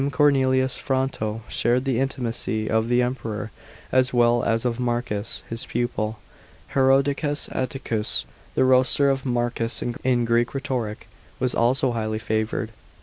Cornelius Fronto shared the intimacy of the Emperor as well as of Marcus, his pupil. Herodes Atticus, the roaster of Marcus in Greek rhetoric, was also highly favoured.